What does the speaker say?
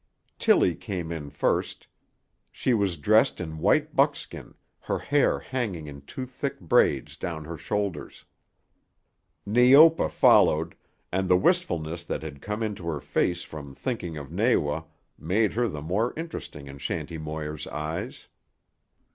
Tillie came in first. She was dressed in white buckskin, her hair hanging in two thick braids down her shoulders. Neopa followed, and the wistfulness that had come into her face from thinking of Nawa made her the more interesting in Shanty Moir's eyes.